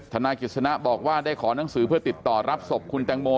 นายกิจสนะบอกว่าได้ขอหนังสือเพื่อติดต่อรับศพคุณแตงโม